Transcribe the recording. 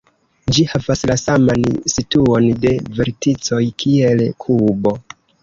Ĝi havas la saman situon de verticoj kiel kubo.